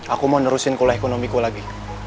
aku mau nerusin kuliah ekonomi ku lagi